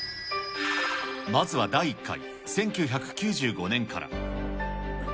まずは第１回、１９９５年から。